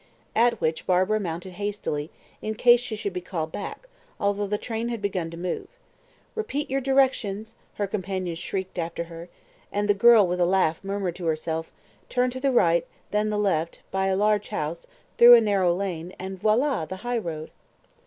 At which Barbara mounted hastily, in case she should be called back, although the train had begun to move. "Repeat your directions," her companion shrieked after her, and the girl, with a laugh, murmured to herself, "Turn to the right, then the left, by a large house, then through a narrow lane, and voilà the high road!"